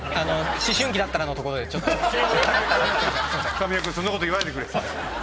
神尾君そんなこと言わないでくれ。